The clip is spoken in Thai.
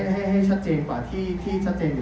ให้ชัดเจนกว่าที่ชัดเจนอยู่